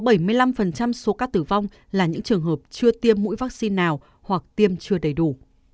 bảy mươi năm số ca tử vong là những trường hợp chưa tiêm mũi vaccine nào hoặc tiêm chưa đầy đủ